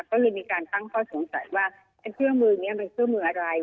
ก็เลยมีการตั้งข้อสงสัยว่าไอ้เครื่องมือนี้มันเครื่องมืออะไร